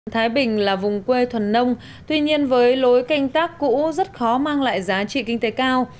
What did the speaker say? thái bình là vùng quê thuần nông tuy nhiên với lối canh tác cũ rất khó mang lại giá trị kinh tế cao